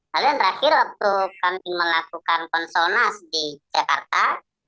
lalu yang terakhir waktu kami melakukan konsonas di jakarta